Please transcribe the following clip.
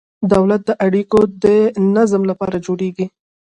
دولت د اړیکو د نظم لپاره جوړیږي.